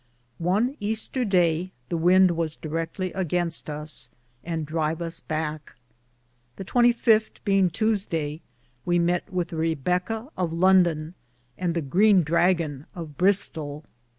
One Easter day the wynd was direcktly againste us, and drive us backe. The 25, beinge Tusdaye, we mett with the Rebeka of London and the Gren Dragon of Bristoll.